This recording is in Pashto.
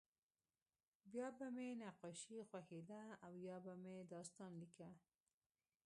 بیا به مې نقاشي خوښېده او یا به مې داستان لیکه